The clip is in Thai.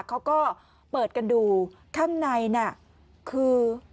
เขาก็เปิดกันดูข้างในน่ะคือ